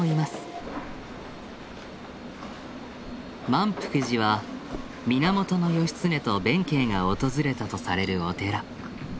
満福寺は源義経と弁慶が訪れたとされるお寺。